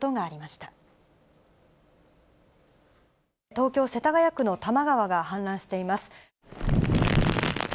東京・世田谷区の多摩川が氾濫しています。